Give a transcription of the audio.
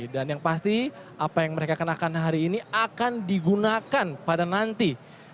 dan yang pasti apa yang mereka kenakan hari ini akan digunakan pada nanti